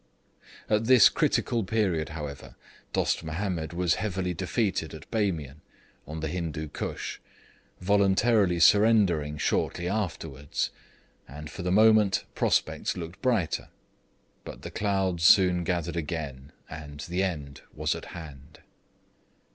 At this critical period, however, Dost Mahomed was heavily defeated at Bamian, on the Hindoo Koosh, voluntarily surrendering shortly afterwards, and for the moment prospects looked brighter; but the clouds soon gathered again, and the end was at hand.